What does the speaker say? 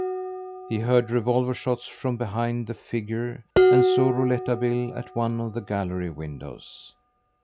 He heard revolver shots from behind the figure and saw Rouletabille at one of the gallery windows.